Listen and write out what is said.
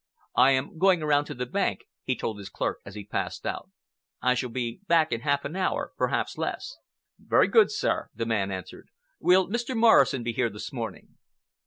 "I am going around to the bank," he told his clerk as he passed out. "I shall be back in half an hour—perhaps less." "Very good, sir," the man answered. "Will Mr. Morrison be here this morning?"